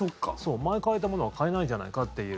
前、買えたものが買えないじゃないかっていう。